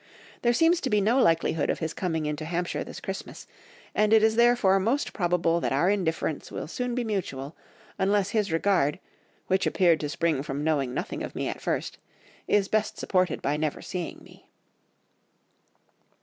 There seems to be no likelihood of his coming into Hampshire this Christmas, and it is therefore most probable that our indifference will soon be mutual, unless his regard, which appeared to spring from knowing nothing of me at first, is best supported by never seeing me."